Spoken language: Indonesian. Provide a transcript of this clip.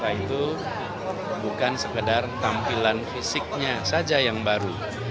wajah baru jakarta itu bukan sekedar tampilan fisiknya saja yang baru